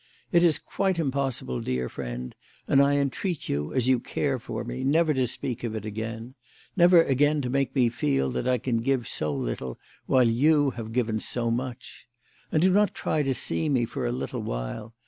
It is quite impossible, dear friend, and I entreat you, as you care for me, never to speak of it again; never again to make me feel that I can give so little when you have given so much. And do not try to see me for a little while.